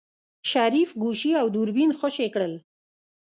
شريف ګوشي او دوربين خوشې کړل.